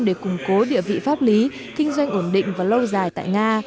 để củng cố địa vị pháp lý kinh doanh ổn định và lâu dài tại nga